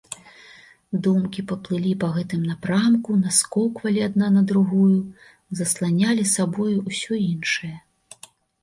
Думкі паплылі па гэтым напрамку, наскоквалі адна на другую, засланялі сабою ўсё іншае.